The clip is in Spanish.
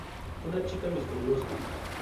Una chica misteriosa.